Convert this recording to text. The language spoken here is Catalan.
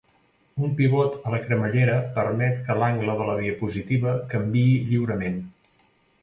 Un pivot a la cremallera permet que l'angle de la diapositiva canviï lliurement.